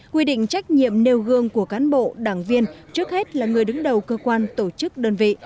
quy định trách nhiệm nêu gương của cán bộ đảng viên trước hết là người đứng đầu cơ quan tổ chức đơn vị